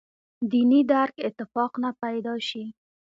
دیني درک اتفاق نه پیدا شي.